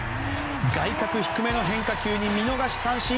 外角低めの変化球に見逃し三振。